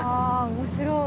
面白い！